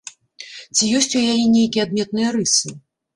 Ці ёсць у яе нейкія адметныя рысы?